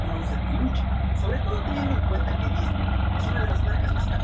La órbita de Damocles penetraba desde dentro del afelio de Marte hasta Urano.